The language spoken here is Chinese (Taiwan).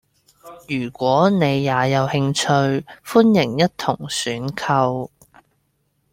如果你也有興趣，歡迎一同選購。